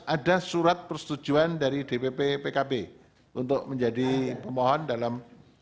ada surat persetujuan dari dpp pkb untuk menjadi pemohon dalam